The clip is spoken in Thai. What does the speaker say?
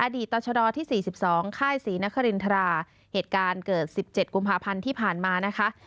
อดีตต่อชดอที่สี่สิบสองค่ายศรีนครินทราเหตุการณ์เกิดสิบเจ็ดกุมภาพันธ์ที่ผ่านมานะคะ